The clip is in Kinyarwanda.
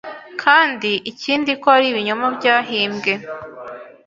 kandi ikindi ko ari ibinyoma byahimbwe.